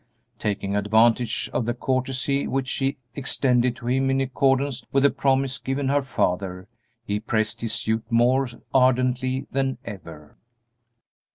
Taking advantage of the courtesy which she extended to him in accordance with the promise given her father, he pressed his suit more ardently than ever.